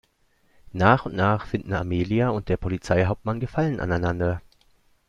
Nach und nach finden Amelia und der Polizeihauptmann Gefallen aneinander.